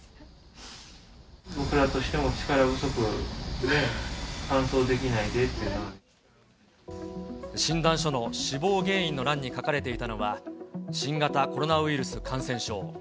僕らとしても力不足で、診断書の死亡原因の欄に書かれていたのは、新型コロナウイルス感染症。